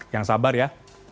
yang sabar ya